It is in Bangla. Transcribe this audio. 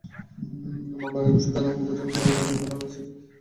মামলার রায় ঘোষিত না হওয়ার কোন আইনগত কারণ আছে কি?